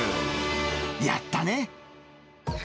やったね。